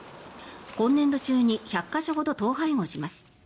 今年度中に１００か所ほど統廃合します。